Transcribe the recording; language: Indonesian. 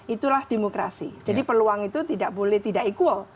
itulah demokrasi jadi peluang itu tidak boleh tidak equal